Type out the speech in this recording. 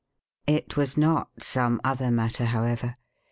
It was not some other matter, however.